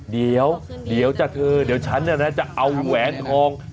เดี๋ยวเดี๋ยวจ้ะเธอเดี๋ยวฉันเนี่ยนะจะเอาแหวนทอง